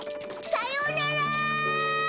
さようなら！